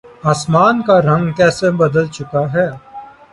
آسمانوں کا رنگ کیسے بدل چکا ہے۔